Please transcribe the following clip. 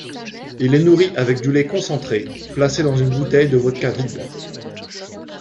Il est nourri avec du lait concentré, placé dans une bouteille de vodka vide.